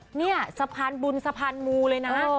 นี่สะพานบุญสะพานมูเลยนะ